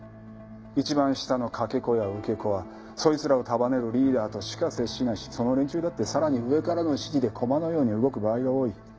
一番下のかけ子や受け子はそいつらを束ねるリーダーとしか接しないしその連中だってさらに上からの指示で駒のように動く場合が多い。